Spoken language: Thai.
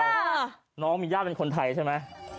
ถามท่านเดียวน้องมีญาติเป็นคนไทยใช่ไหม